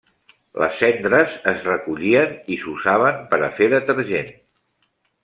Les cendres es recollien i s'usaven per a fer detergent.